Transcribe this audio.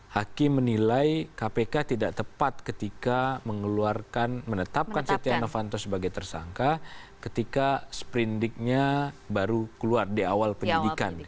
hakim menilai kpk tidak tepat ketika menetapkan setia novanto sebagai tersangka ketika sprindiknya baru keluar di awal penyidikan